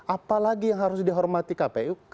apalagi yang harus dihormati kpu